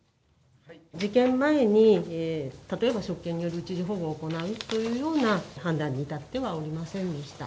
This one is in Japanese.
事件前に例えば職権による一時保護を行うというような判断に至ってはおりませんでした。